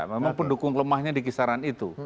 memang pendukung lemahnya di kisaran itu